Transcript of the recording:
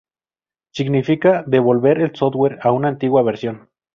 Significa devolver el software a una antigua versión.